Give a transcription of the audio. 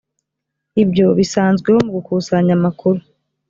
ibyo bisanzweho mu gukusanya amakuru